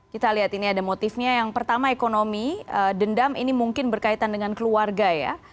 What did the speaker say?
kita lihat ini ada motifnya yang pertama ekonomi dendam ini mungkin berkaitan dengan keluarga ya